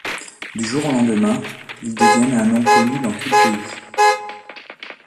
Du jour au lendemain, ils deviennent un nom connu dans tout le pays.